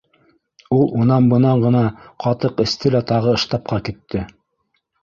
Ул унан-бынан ғына ҡатыҡ эсте лә тағы штабҡа китте.